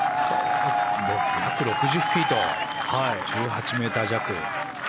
１６０フィート１８ｍ弱。